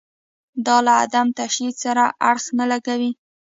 دا له عدم تشدد سره اړخ نه لګوي.